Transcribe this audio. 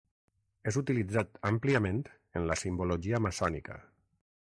És utilitzat àmpliament en la simbologia maçònica.